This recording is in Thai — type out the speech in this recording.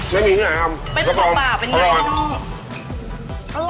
ไม่มีที่จะทำรับมองรอดว้าวอรอด